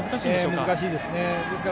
難しいですね。